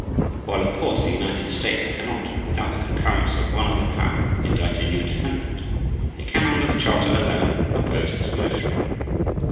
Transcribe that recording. While of course the United States cannot, without the concurrence of one other Power indict a new defendant, it can under the Charter alone oppose this motion.